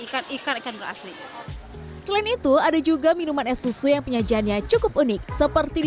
ikan ikan ikan berasli selain itu ada juga minuman es susu yang penyajiannya cukup unik seperti di